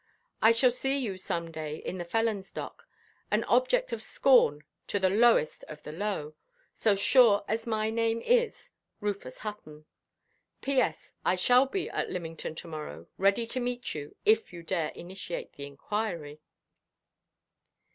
I shall see you, some day, in the felonʼs dock, an object of scorn to the lowest of the low, so sure as my name is "RUFUS HUTTON. "P.S.—I shall be at Lymington to–morrow, ready to meet you, if you dare initiate the inquiry."